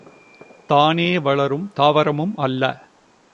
தானே வளரும் தாவரமும் அல்ல.